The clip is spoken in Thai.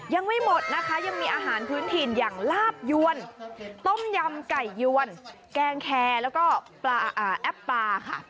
ยังไม่หมดนะคะยังมีอาหารพื้นถิ่นอย่างลาบยวนต้มยำไก่ยวนแกงแคร์แล้วก็แอปปลาค่ะ